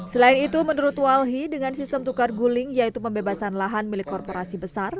selain itu menurut walhi dengan sistem tukar guling yaitu pembebasan lahan milik korporasi besar